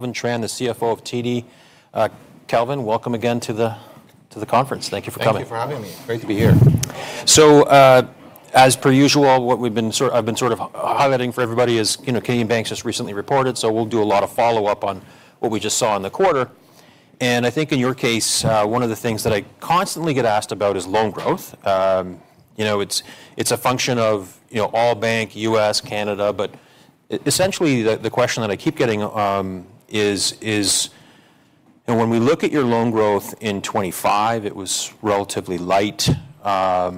Kelvin Tran, the CFO of TD. Kelvin, welcome again to the conference. Thank you for coming. Thank you for having me. Great to be here. As per usual, what I've been sort of highlighting for everybody is Canadian banks just recently reported, so we'll do a lot of follow-up on what we just saw in the quarter. I think in your case, one of the things that I constantly get asked about is loan growth. It's a function of all banks, U.S., Canada. Essentially, the question that I keep getting is, when we look at your loan growth in 2025, it was relatively light, below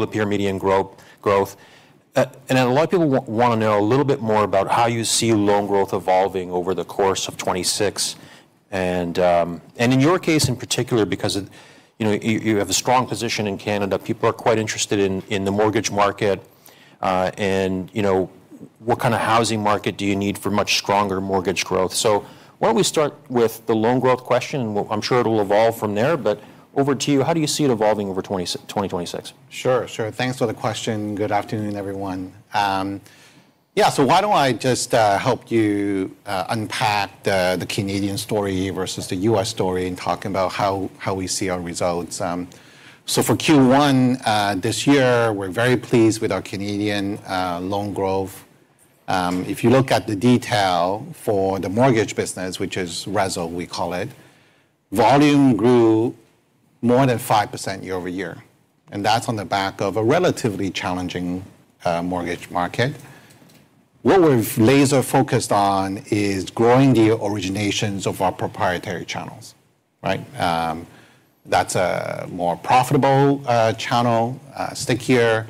the peer median growth. A lot of people want to know a little bit more about how you see loan growth evolving over the course of 2026. In your case, in particular, because you have a strong position in Canada, people are quite interested in the mortgage market, and what kind of housing market do you need for much stronger mortgage growth? Why don't we start with the loan growth question. I'm sure it'll evolve from there. Over to you, how do you see it evolving over 2026? Sure. Thanks for the question. Good afternoon, everyone. Yeah, so why don't I just help you unpack the Canadian story versus the U.S. story in talking about how we see our results. So for Q1 this year, we're very pleased with our Canadian loan growth. If you look at the detail for the mortgage business, which is RESL, we call it, volume grew more than 5% year-over-year, and that's on the back of a relatively challenging mortgage market. What we've laser-focused on is growing the originations of our proprietary channels, right? That's a more profitable channel, stickier,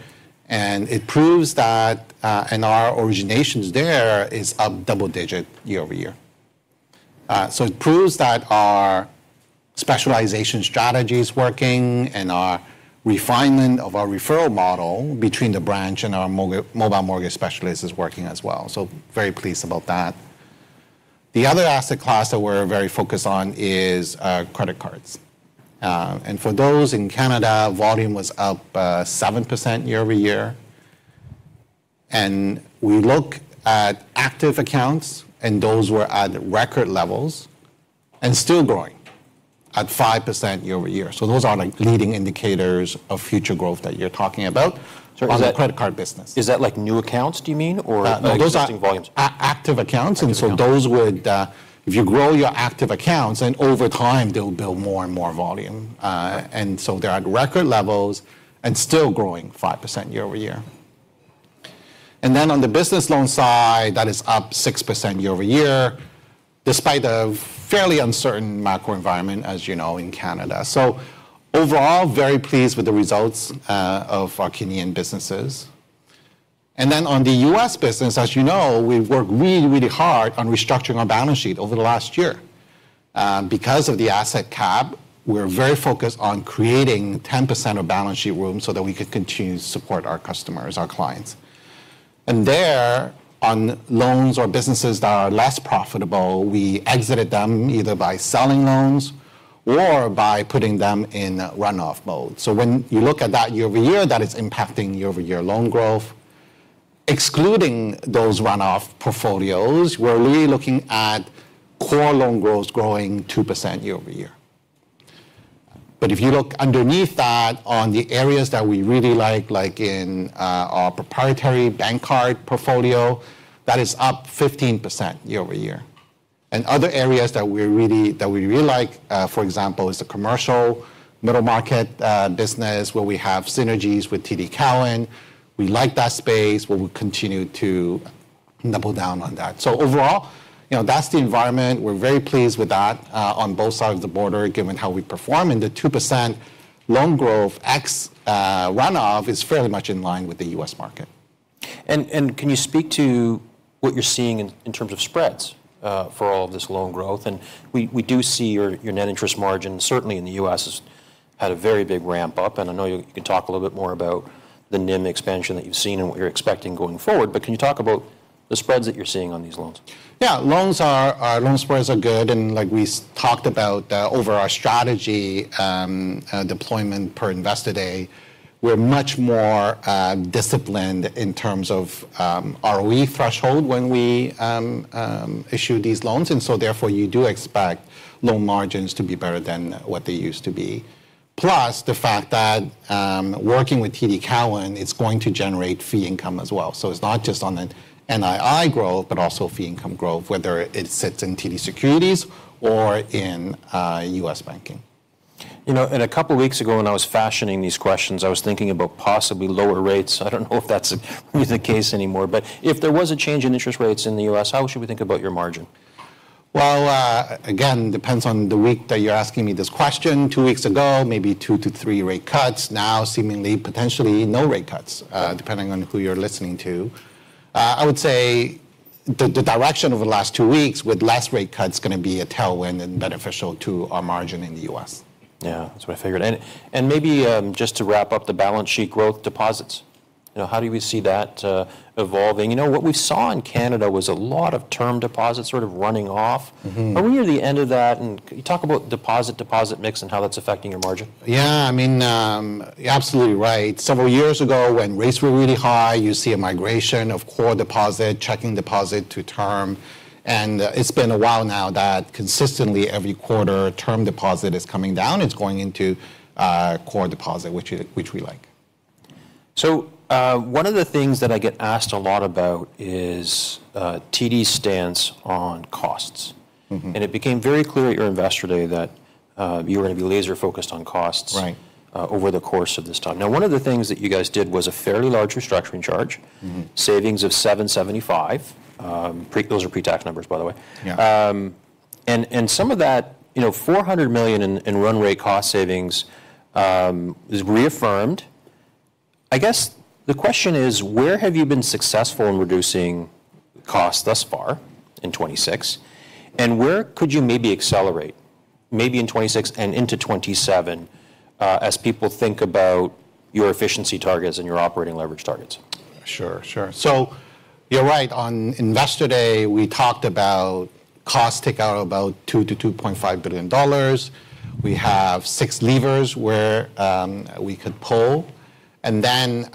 and it proves that, and our originations there is up double-digit year-over-year. It proves that our specialization strategy is working and our refinement of our referral model between the branch and our mobile mortgage specialist is working as well. Very pleased about that. The other asset class that we're very focused on is credit cards. For those in Canada, volume was up 7% year-over-year. We look at active accounts, and those were at record levels and still growing at 5% year-over-year. Those are like leading indicators of future growth that you're talking about. Is that? on the credit card business. Is that like new accounts, do you mean, or existing volumes? No, those are active accounts. Active accounts. Those would, if you grow your active accounts, then over time, they'll build more and more volume. They're at record levels and still growing 5% year-over-year. On the business loan side, that is up 6% year-over-year, despite a fairly uncertain macro environment, as you know, in Canada. Overall, very pleased with the results of our Canadian businesses. On the U.S. business, as you know, we've worked really, really hard on restructuring our balance sheet over the last year. Because of the asset cap, we're very focused on creating 10% of balance sheet room so that we could continue to support our customers, our clients. There, on loans or businesses that are less profitable, we exited them either by selling loans or by putting them in runoff mode. When you look at that year-over-year, that is impacting year-over-year loan growth. Excluding those runoff portfolios, we're really looking at core loan growth growing 2% year-over-year. If you look underneath that on the areas that we really like in our proprietary bank card portfolio, that is up 15% year-over-year. Other areas that we really like, for example, is the commercial middle market business, where we have synergies with TD Cowen. We like that space, where we continue to double down on that. Overall that's the environment. We're very pleased with that on both sides of the border, given how we perform. The 2% loan growth ex-runoff is fairly much in line with the U.S. market. Can you speak to what you're seeing in terms of spreads for all this loan growth? We do see your net interest margin, certainly in the U.S., has had a very big ramp up. I know you can talk a little bit more about the NIM expansion that you've seen and what you're expecting going forward, but can you talk about the spreads that you're seeing on these loans? Yeah. Loan spreads are good, and like we talked about over our strategy deployment per Investor Day, we're much more disciplined in terms of ROE threshold when we issue these loans. You do expect loan margins to be better than what they used to be. Plus, the fact that working with TD Cowen, it's going to generate fee income as well. It's not just on the NII growth, but also fee income growth, whether it sits in TD Securities or in U.S. banking. You know, a couple weeks ago, when I was fashioning these questions, I was thinking about possibly lower rates. I don't know if that's really the case anymore. If there was a change in interest rates in the U.S., how should we think about your margin? Well, again, depends on the week that you're asking me this question. Two weeks ago, maybe two to three rate cuts. Now, seemingly, potentially no rate cuts, depending on who you're listening to. I would say the direction over the last two weeks with less rate cuts is going to be a tailwind and beneficial to our margin in the U.S. Yeah, that's what I figured. Maybe just to wrap up the balance sheet growth deposits. How do we see that evolving? What we saw in Canada was a lot of term deposits sort of running off. Mm-hmm. Are we near the end of that? Can you talk about deposit mix and how that's affecting your margin? Yeah, I mean, you're absolutely right. Several years ago, when rates were really high, you see a migration of core deposit, checking deposit to term, and it's been a while now that consistently every quarter term deposit is coming down. It's going into core deposit, which we like. One of the things that I get asked a lot about is TD's stance on costs. Mm-hmm. It became very clear at your Investor Day that you were going to be laser focused on costs. Right Over the course of this time. Now, one of the things that you guys did was a fairly large restructuring charge. Mm-hmm. Savings of 775. Those are pre-tax numbers, by the way. Yeah. Some of that, you know, 400 million in runway cost savings is reaffirmed. I guess the question is: Where have you been successful in reducing costs thus far in 2026, and where could you maybe accelerate, maybe in 2026 and into 2027, as people think about your efficiency targets and your operating leverage targets? Sure, sure. You're right. On Investor Day, we talked about costs come out about 2 billion-2.5 billion dollars. We have six levers where we could pull, and then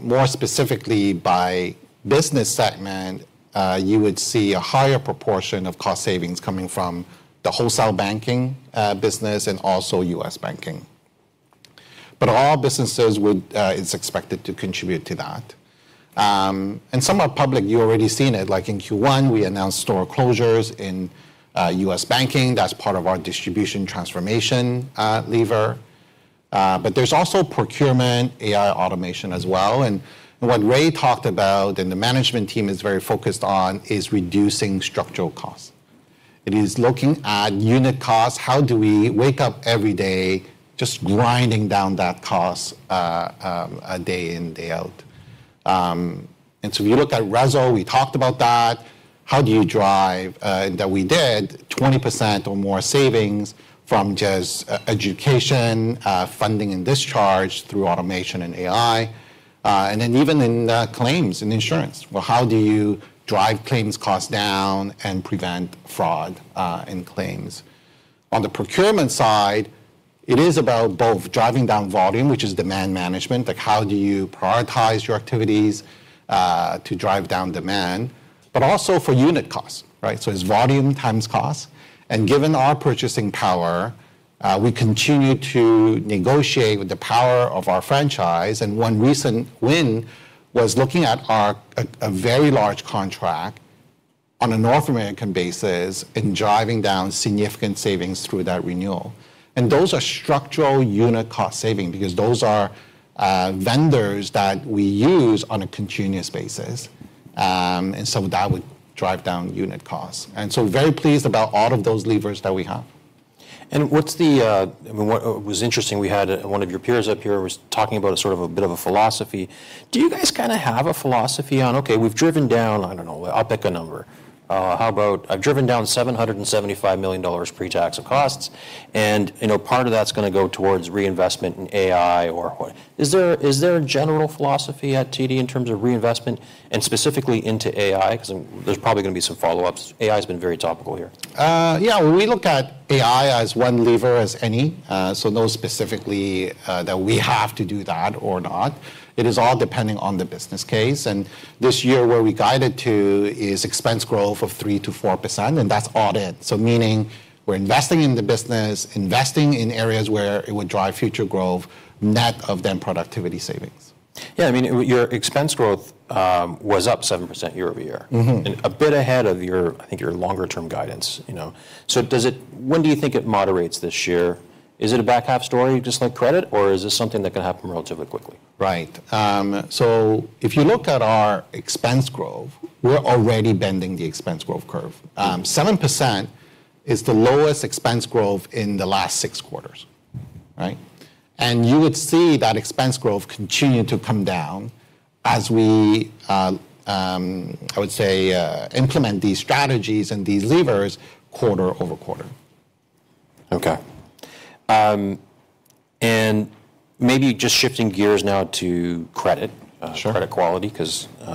more specifically, by business segment, you would see a higher proportion of cost savings coming from the wholesale banking business and also U.S. banking. All businesses is expected to contribute to that. Some are public. You already seen it. Like in Q1, we announced store closures in U.S. banking. That's part of our distribution transformation lever. There's also procurement, AI automation as well, and what Ray talked about and the management team is very focused on is reducing structural costs. It is looking at unit costs. How do we wake up every day just grinding down that cost day in, day out? We looked at RESO. We talked about that. How do you drive that we did 20% or more savings from just e-adjudication, funding, and discharge through automation and AI, and then even in claims and insurance. Well, how do you drive claims costs down and prevent fraud in claims? On the procurement side, it is about both driving down volume, which is demand management, like how do you prioritize your activities to drive down demand, but also for unit costs, right? It's volume times cost, and given our purchasing power, we continue to negotiate with the power of our franchise, and one recent win was looking at a very large contract on a North American basis and driving down significant savings through that renewal. Those are structural unit cost saving because those are, vendors that we use on a continuous basis, and some of that would drive down unit costs. Very pleased about all of those levers that we have. It was interesting, we had one of your peers up here was talking about a sort of a bit of a philosophy. Do you guys kind of have a philosophy on, okay, we've driven down, I don't know, I'll pick a number. How about I've driven down 775 million dollars pre-tax of costs and part of that's going to go towards reinvestment in AI or what. Is there a general philosophy at TD in terms of reinvestment and specifically into AI? 'Cause there's probably going to be some follow-ups. AI's been very topical here. We look at AI as one lever as any. No specifically, that we have to do that or not. It is all depending on the business case, and this year where we guided to is expense growth of 3%-4%, and that's additive. Meaning we're investing in the business, investing in areas where it would drive future growth, net of the productivity savings. Yeah, I mean, your expense growth was up 7% year-over-year. Mm-hmm. A bit ahead of your, I think, your longer term guidance. When do you think it moderates this year? Is it a back half story, just like credit, or is this something that can happen relatively quickly? Right. If you look at our expense growth, we're already bending the expense growth curve. 7% is the lowest expense growth in the last six quarters, right? You would see that expense growth continue to come down as we, I would say, implement these strategies and these levers quarter over quarter. Okay. Maybe just shifting gears now to credit. Sure You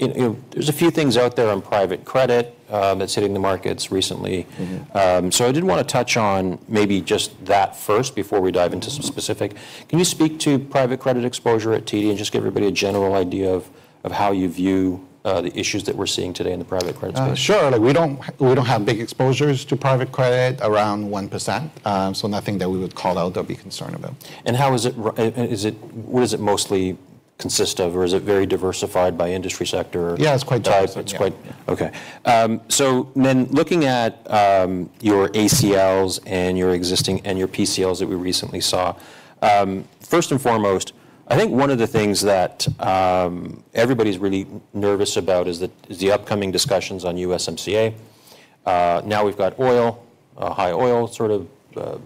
know, there's a few things out there on private credit that's hitting the markets recently. Mm-hmm. I did want to touch on maybe just that first before we dive into some specific. Can you speak to private credit exposure at TD and just give everybody a general idea of how you view the issues that we're seeing today in the private credit space? Sure. Like, we don't have big exposures to private credit, around 1%. Nothing that we would call out or be concerned about. What does it mostly consist of, or is it very diversified by industry sector? Yeah, it's quite diverse. So then looking at your ACLs and your existing, and your PCLs that we recently saw, first and foremost, I think one of the things that everybody's really nervous about is the upcoming discussions on USMCA. Now we've got oil, high oil, sort of,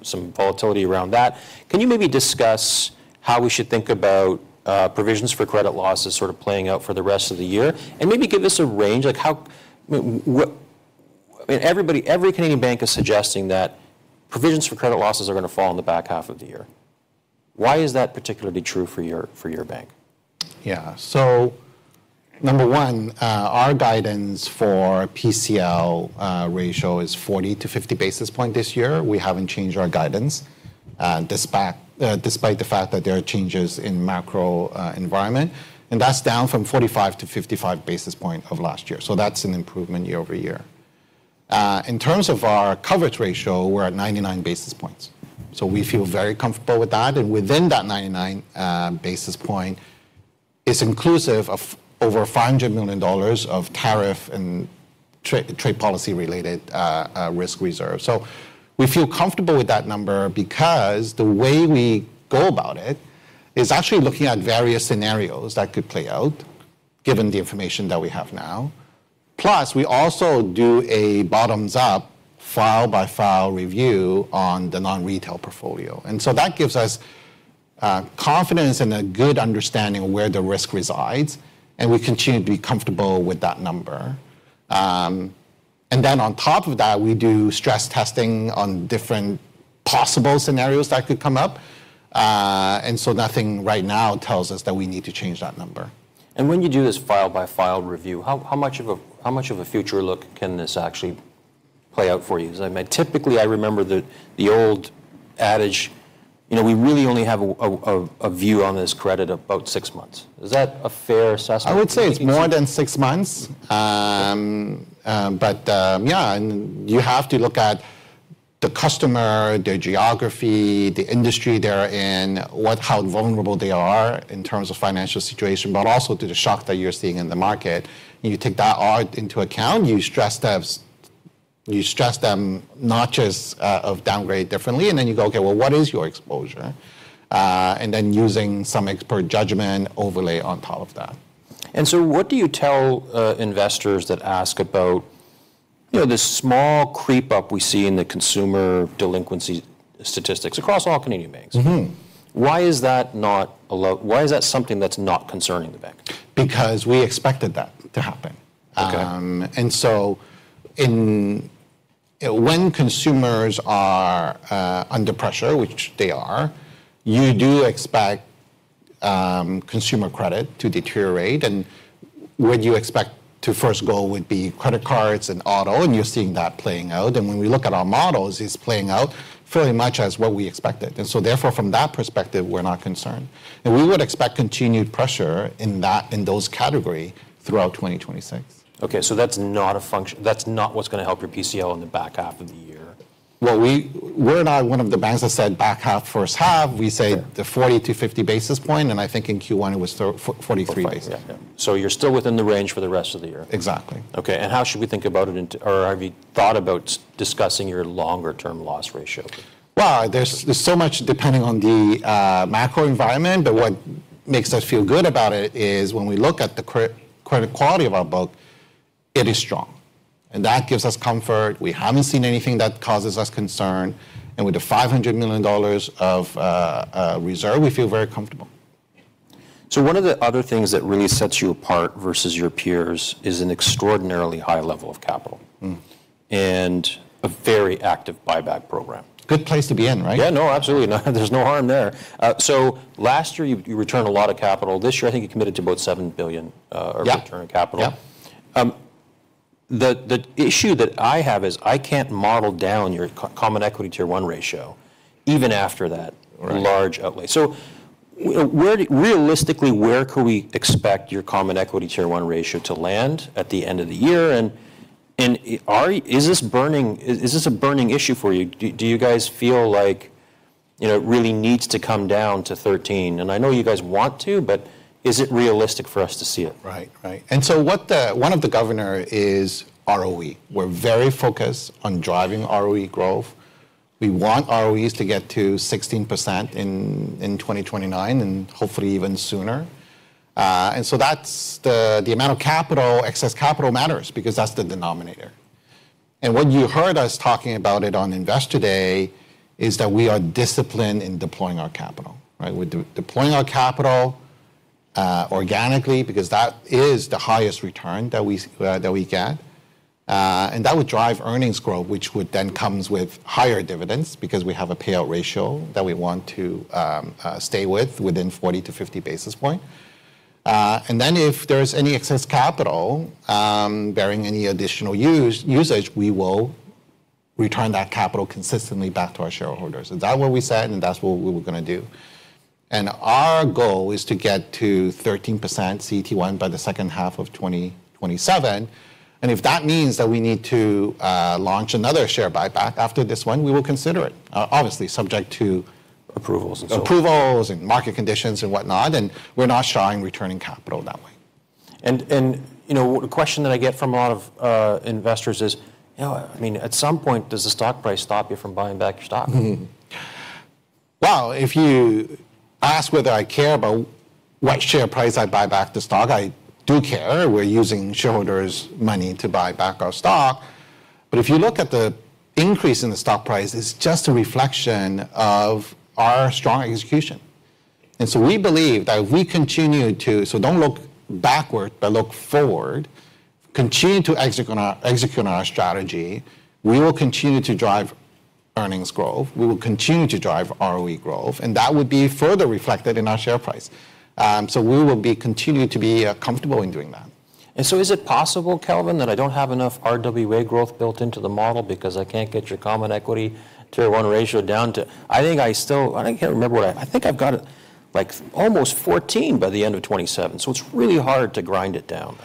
some volatility around that. Can you maybe discuss how we should think about provisions for credit losses sort of playing out for the rest of the year? Maybe give us a range, like what I mean, everybody, every Canadian bank is suggesting that provisions for credit losses are going to fall in the back half of the year. Why is that particularly true for your bank? Yeah. Number one, our guidance for PCL ratio is 40-50 basis points this year. We haven't changed our guidance, despite the fact that there are changes in macro environment, and that's down from 45-55 basis points of last year. That's an improvement year-over-year. In terms of our coverage ratio, we're at 99 basis points, so we feel very comfortable with that. Within that 99 basis points is inclusive of over 500 million dollars of tariff and trade policy-related risk reserve. We feel comfortable with that number because the way we go about it is actually looking at various scenarios that could play out, given the information that we have now. Plus, we also do a bottoms-up, file-by-file review on the non-retail portfolio. That gives us, confidence and a good understanding of where the risk resides, and we continue to be comfortable with that number. And then on top of that, we do stress testing on different possible scenarios that could come up, and so nothing right now tells us that we need to change that number. When you do this file-by-file review, how much of a future look can this actually play out for you? 'Cause I mean, typically, I remember the old adage, you know, we really only have a view on this credit of about six months. Is that a fair assessment? I would say it's more than six months. You have to look at the customer, their geography, the industry they're in, how vulnerable they are in terms of financial situation, but also to the shock that you're seeing in the market. You take that all into account, you stress test, you stress them, not just a downgrade differently, and then you go, "Okay, well, what is your exposure?" and then using some expert judgment overlay on top of that. What do you tell investors that ask about the small creep-up we see in the consumer delinquency statistics across all Canadian banks? Mm-hmm. Why is that something that's not concerning the bank? Because we expected that to happen. Okay. When consumers are under pressure, which they are, you do expect consumer credit to deteriorate. Where you expect to first go would be credit cards and auto, and you're seeing that playing out. When we look at our models, it's playing out fairly much as what we expected. Therefore, from that perspective, we're not concerned. We would expect continued pressure in that, in those category throughout 2026. Okay, that's not a function. That's not what's going to help your PCL in the back half of the year. Well, we're not one of the banks that said back half, first half. Yeah. We say the 40-50 basis points, and I think in Q1 it was 43 basis points. 43, yeah. You're still within the range for the rest of the year. Exactly. Okay, how should we think about it, or have you thought about discussing your longer term loss ratio? Well, there's so much depending on the macro environment, but what makes us feel good about it is when we look at the credit quality of our book, it is strong, and that gives us comfort. We haven't seen anything that causes us concern, and with the 500 million dollars of reserve, we feel very comfortable. One of the other things that really sets you apart versus your peers is an extraordinarily high level of capital. Mm. A very active buyback program. Good place to be in, right? Yeah, no, absolutely. No, there's no harm there. Last year you returned a lot of capital. This year, I think you committed to about 7 billion. Yeah Return on capital. Yeah. The issue that I have is I can't model down your Common Equity Tier 1 ratio even after that. Right large outlay. Where, realistically, could we expect your Common Equity Tier 1 ratio to land at the end of the year, and is this a burning issue for you? Do you guys feel like, you know, it really needs to come down to 13%? I know you guys want to, but is it realistic for us to see it? One of the key drivers is ROE. We're very focused on driving ROE growth. We want ROEs to get to 16% in 2029 and hopefully even sooner. That's the amount of excess capital matters because that's the denominator. What you heard us talking about it on Investor Day is that we are disciplined in deploying our capital, right? We're deploying our capital organically because that is the highest return that we get. That would drive earnings growth, which would then come with higher dividends because we have a payout ratio that we want to stay within 40-50 basis points. If there's any excess capital barring any additional usage, we will return that capital consistently back to our shareholders. That's what we said, and that's what we were going to do. Our goal is to get to 13% CET1 by the second half of 2027, and if that means that we need to launch another share buyback after this one, we will consider it, obviously subject to. Approvals and so on. approvals and market conditions and whatnot, and we're not shy in returning capital that way. A question that I get from a lot of investors is, I mean, at some point, does the stock price stop you from buying back your stock? Well, if you ask whether I care about what share price I buy back the stock, I do care. We're using shareholders' money to buy back our stock. If you look at the increase in the stock price, it's just a reflection of our strong execution. Don't look backward, but look forward, continue to execute on our strategy, we will continue to drive earnings growth, we will continue to drive ROE growth, and that would be further reflected in our share price. We will continue to be comfortable in doing that. Is it possible, Kelvin, that I don't have enough RWA growth built into the model because I can't get your Common Equity Tier 1 ratio down to—I can't remember. I think I've got it, like, almost 14% by the end of 2027, so it's really hard to grind it down.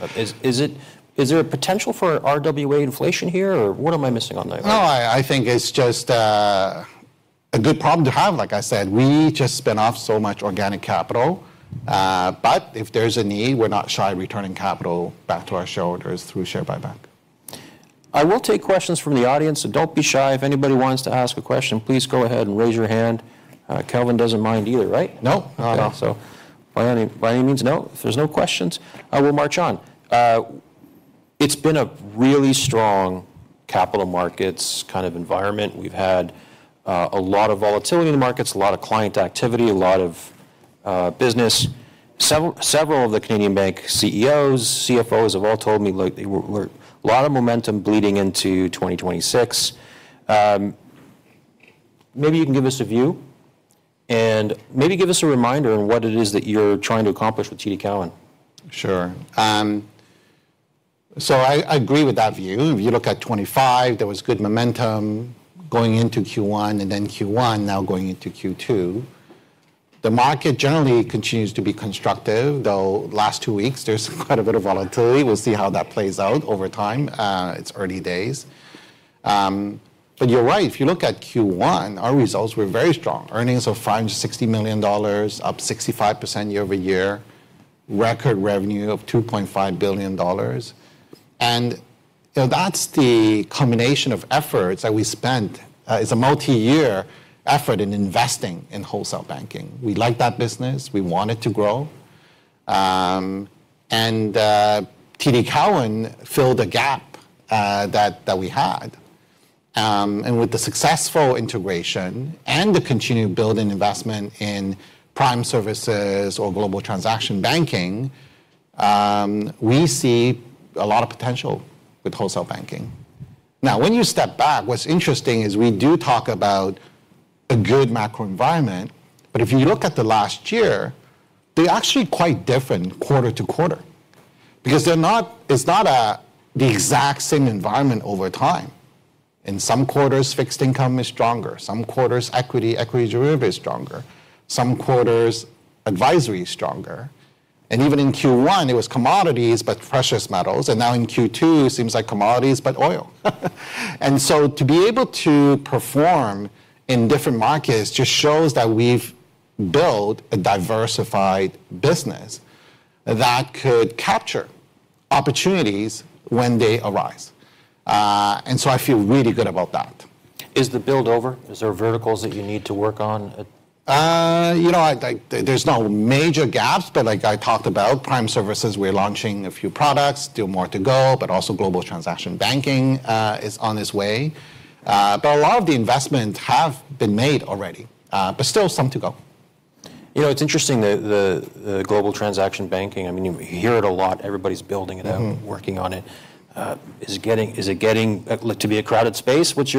Is there a potential for RWA inflation here? Or what am I missing on that one? No, I think it's just a good problem to have, like I said. We just spin off so much organic capital, but if there's a need, we're not shy returning capital back to our shareholders through share buyback. I will take questions from the audience, so don't be shy. If anybody wants to ask a question, please go ahead and raise your hand. Kelvin doesn't mind either, right? No, not at all. By any means. No? If there's no questions, I will march on. It's been a really strong capital markets kind of environment. We've had a lot of volatility in the markets, a lot of client activity, a lot of business. Several of the Canadian bank CEOs, CFOs have all told me like there were a lot of momentum bleeding into 2026. Maybe you can give us a view, and maybe give us a reminder on what it is that you're trying to accomplish with TD Cowen. I agree with that view. If you look at 2025, there was good momentum going into Q1, and then Q1 now going into Q2. The market generally continues to be constructive, though last two weeks there's quite a bit of volatility. We'll see how that plays out over time. It's early days. You're right. If you look at Q1, our results were very strong. Earnings of 560 million dollars, up 65% year-over-year. Record revenue of 2.5 billion dollars. That's the combination of efforts that we spent. It's a multi-year effort in investing in wholesale banking. We like that business. We want it to grow. TD Cowen filled a gap that we had. With the successful integration and the continued build and investment in prime services or global transaction banking, we see a lot of potential with wholesale banking. Now, when you step back, what's interesting is we do talk about a good macro environment. If you look at the last year, they're actually quite different quarter to quarter. It's not the exact same environment over time. In some quarters, fixed income is stronger. Some quarters, equity derivative is stronger. Some quarters, advisory is stronger. Even in Q1, it was commodities, but precious metals. Now in Q2, it seems like commodities, but oil. To be able to perform in different markets just shows that we've built a diversified business that could capture opportunities when they arise. I feel really good about that. Is the build over? Is there verticals that you need to work on? I like. There's no major gaps, but like I talked about, prime services, we're launching a few products. Still more to go, but also global transaction banking is on its way. A lot of the investment have been made already, but still some to go. It's interesting, the global transaction banking. I mean, you hear it a lot. Everybody's building it out. Mm-hmm... working on it. Is it getting to look to be a crowded space? What's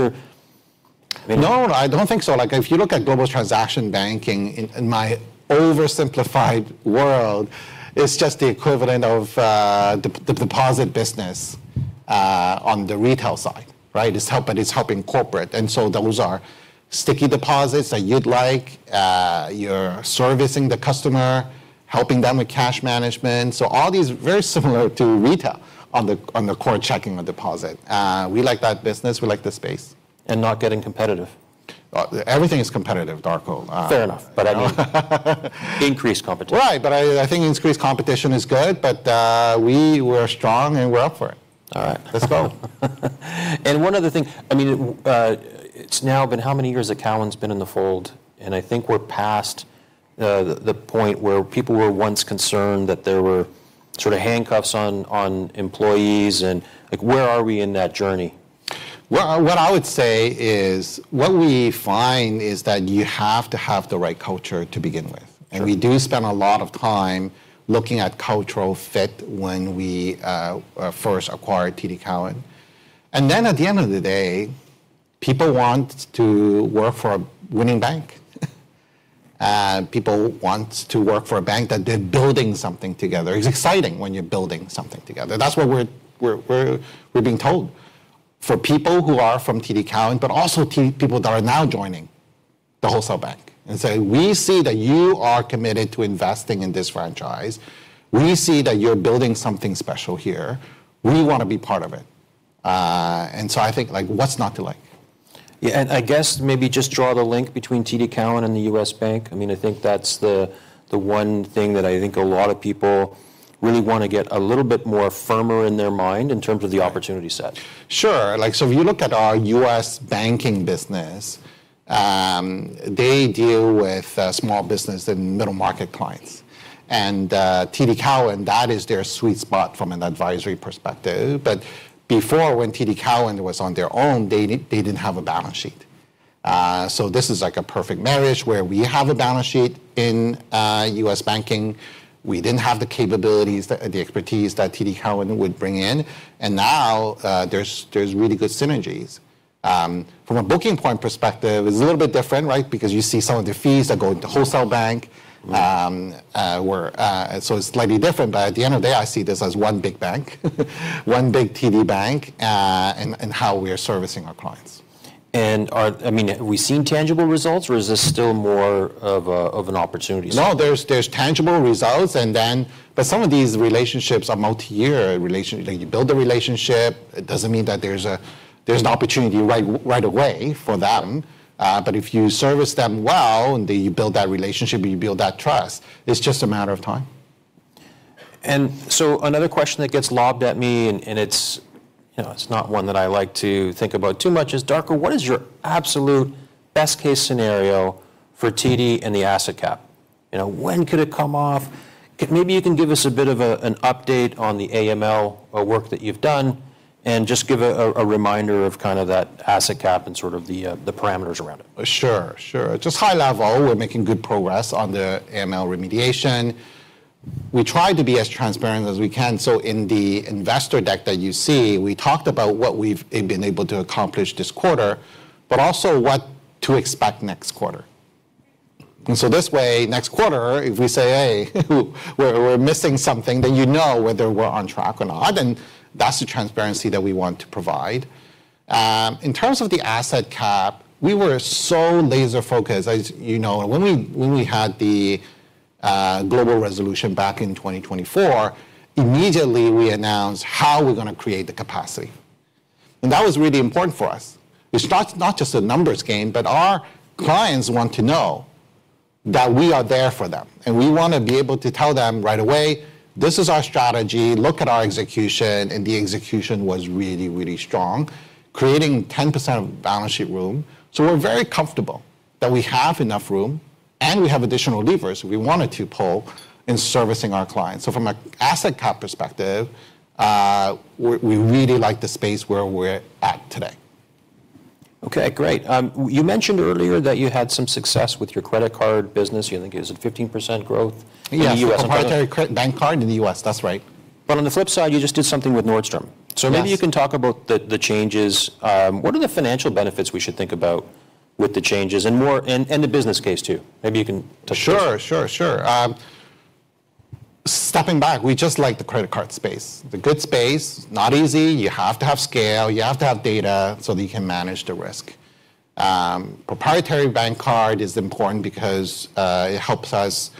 your I mean. No, I don't think so. Like, if you look at global transaction banking, in my oversimplified world, it's just the equivalent of the deposit business on the retail side. Right? It's helping corporate. Those are sticky deposits that you'd like. You're servicing the customer, helping them with cash management. All these very similar to retail on the core checking or deposit. We like that business. We like the space. Not getting competitive. Everything is competitive, Darko. Fair enough. I mean increased competition. Right. I think increased competition is good, but we're strong, and we're up for it. All right. Let's go. One other thing. I mean, it's now been how many years that TD Cowen's been in the fold? I think we're past the point where people were once concerned that there were sort of handcuffs on employees. Like, where are we in that journey? Well, what I would say is, what we find is that you have to have the right culture to begin with. Sure. We do spend a lot of time looking at cultural fit when we first acquired TD Cowen. At the end of the day, people want to work for a winning bank. People want to work for a bank that they're building something together. It's exciting when you're building something together. That's what we're being told by people who are from TD Cowen but also TD people that are now joining the wholesale bank. We see that you are committed to investing in this franchise. We see that you're building something special here. We want to be part of it. I think, like, what's not to like? Yeah. I guess maybe just draw the link between TD Cowen and TD Bank. I mean, I think that's the one thing that I think a lot of people really want to get a little bit more firmer in their mind in terms of the opportunity set. Sure. Like, so if you look at our U.S. banking business, they deal with small business and middle-market clients. TD Cowen, that is their sweet spot from an advisory perspective. Before, when TD Cowen was on their own, they didn't have a balance sheet. This is like a perfect marriage where we have a balance sheet in U.S. banking. We didn't have the capabilities, the expertise that TD Cowen would bring in, and now, there's really good synergies. From a booking point perspective, it's a little bit different, right? Because you see some of the fees that go to wholesale bank. It's slightly different, but at the end of the day, I see this as one big bank. One big TD Bank, how we are servicing our clients. I mean, have we seen tangible results, or is this still more of an opportunity statement? No, there's tangible results, and then some of these relationships are multi-year relationship. Like, you build the relationship. It doesn't mean that there's an opportunity right away for them. If you service them well, and you build that relationship and you build that trust, it's just a matter of time. Another question that gets lobbed at me, and it's, you know, it's not one that I like to think about too much is, Darko, what is your absolute best case scenario for TD and the asset cap? When could it come off? See, maybe you can give us a bit of an update on the AML work that you've done and just give a reminder of kind of that asset cap and sort of the parameters around it. Sure. Just high level, we're making good progress on the AML remediation. We try to be as transparent as we can, so in the investor deck that you see, we talked about what we've been able to accomplish this quarter, but also what to expect next quarter. This way, next quarter, if we say, "Hey, we're missing something," then you know whether we're on track or not, and that's the transparency that we want to provide. In terms of the asset cap, we were so laser-focused, as you know. When we had the global resolution back in 2024, immediately we announced how we're going to create the capacity, and that was really important for us. It's not just a numbers game, but our clients want to know that we are there for them, and we want to be able to tell them right away, "This is our strategy. Look at our execution." The execution was really strong, creating 10% of balance sheet room. We're very comfortable that we have enough room, and we have additional levers we wanted to pull in servicing our clients. From an asset cap perspective, we really like the space where we're at today. Okay, great. You mentioned earlier that you had some success with your credit card business. You think, is it 15% growth in the US- Yeah, proprietary bank card in the U.S., that's right. On the flip side, you just did something with Nordstrom. Yes. Maybe you can talk about the changes. What are the financial benefits we should think about with the changes and more and the business case, too? Maybe you can touch on Stepping back, we just like the credit card space. The good space, not easy. You have to have scale. You have to have data so that you can manage the risk. Proprietary bank card is important because it helps us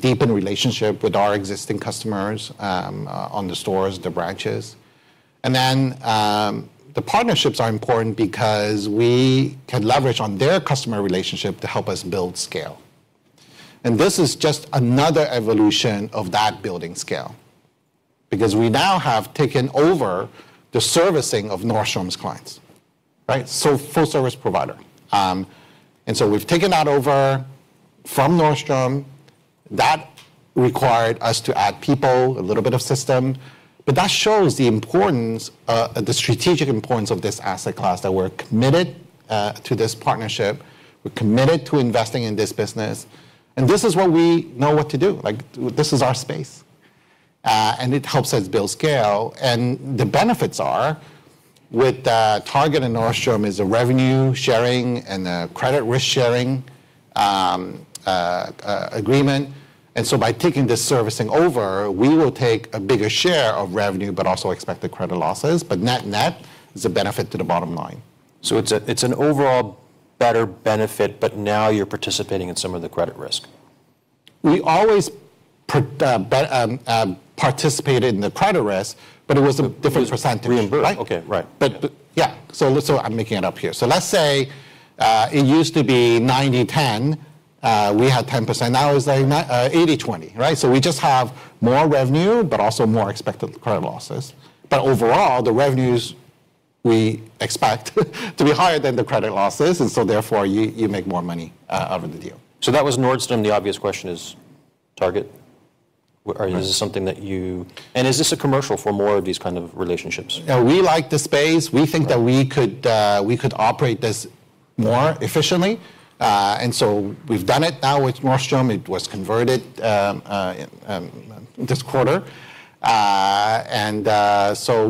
deepen relationship with our existing customers, on the stores, the branches. The partnerships are important because we can leverage on their customer relationship to help us build scale. This is just another evolution of that building scale because we now have taken over the servicing of Nordstrom's clients, right? Full service provider. We've taken that over from Nordstrom. That required us to add people, a little bit of system, but that shows the importance, the strategic importance of this asset class, that we're committed to this partnership. We're committed to investing in this business, and this is what we know to do. Like, this is our space. It helps us build scale. The benefits with Target and Nordstrom are the revenue sharing and the credit risk sharing agreement. By taking the servicing over, we will take a bigger share of revenue, but also accept the credit losses. Net net is a benefit to the bottom line. It's an overall better benefit. Now you're participating in some of the credit risk. We always participated in the credit risk, but it was a different percentage. It was reimbursed. Right? Okay, right. Yeah. I'm making it up here. Let's say it used to be 90/10. We had 10%. Now it's like 80/20, right? We just have more revenue, but also more expected credit losses. Overall, the revenues we expect to be higher than the credit losses and so therefore, you make more money out of the deal. That was Nordstrom. The obvious question is Target. Is this a commercial for more of these kind of relationships? Yeah, we like the space. We think that we could operate this more efficiently. We've done it now with Nordstrom. It was converted this quarter.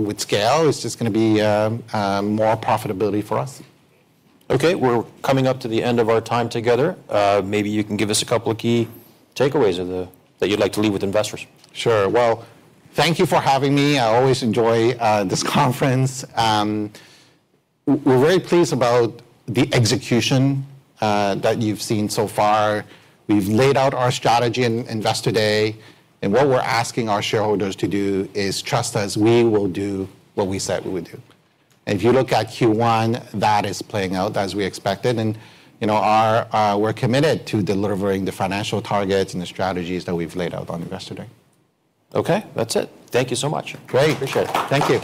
With scale, it's just going to be more profitability for us. Okay. We're coming up to the end of our time together. Maybe you can give us a couple of key takeaways that you'd like to leave with investors. Sure. Well, thank you for having me. I always enjoy this conference. We're very pleased about the execution that you've seen so far. We've laid out our strategy in Investor Day, and what we're asking our shareholders to do is trust us. We will do what we said we would do. If you look at Q1, that is playing out as we expected. We're committed to delivering the financial targets and the strategies that we've laid out on Investor Day. Okay, that's it. Thank you so much. Great. Appreciate it. Thank you.